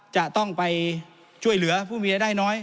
จะต้องไปช่วยเหลือผู้มีรายได้น้อย